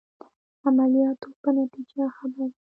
عملیاتو په نتیجه خبر یاست.